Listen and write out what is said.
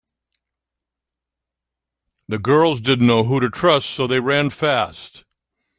The girls didn’t know who to trust so they ran fast.